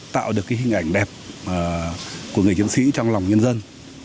tạo được hình ảnh đẹp của người chiến sĩ trong lòng nhân dân